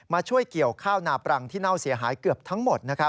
ช่วยเกี่ยวข้าวนาปรังที่เน่าเสียหายเกือบทั้งหมด